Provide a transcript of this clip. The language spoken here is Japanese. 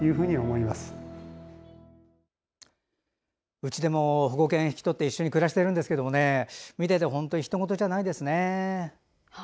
うちでも保護犬引き取って一緒に暮らしているんですけど見ていて、ひと事じゃないですね。